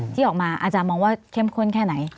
ที่ออกมาอาจารย์มองว่าเข้มข้นแค่ไหน